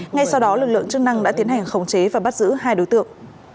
ngay sau đó lực lượng chức năng đã tiến hành khống chế và bắt giữ hai đối tượng